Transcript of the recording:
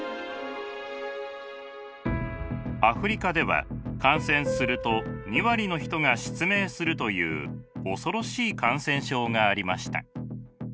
アフリカでは感染すると２割の人が失明するという恐ろしい感染症がありました。